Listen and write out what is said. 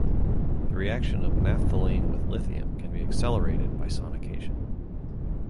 The reaction of naphthalene with lithium can be accelerated by sonication.